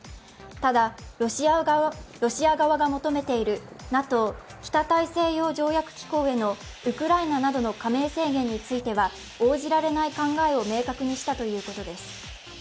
ただ、ロシア側が求めているＮＡＴＯ＝北大西洋条約機構へのウクライナなどの加盟制限については応じられない考えを明確にしたということです。